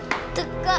nggak nggak kena